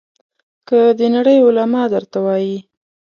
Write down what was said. که د نړۍ علما درته وایي.